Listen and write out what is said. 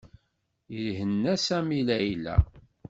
Ihenna Sami Layla.